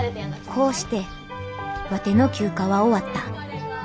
こうしてワテの休暇は終わった。